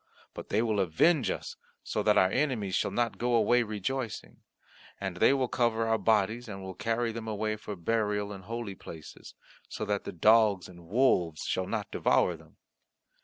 But they will avenge us, so that our enemies shall not go away rejoicing. And they will also recover our bodies, and will carry them away for burial in holy places, so that the dogs and wolves shall not devour them."